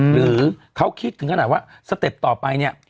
หรือเขาคิดถึงขนาดว่าสเต็ปต่อไปเนี่ย